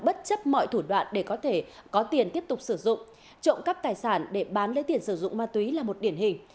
bất chấp mọi thủ đoạn để có thể có tiền tiếp tục sử dụng trộm cắp tài sản để bán lấy tiền sử dụng ma túy là một điển hình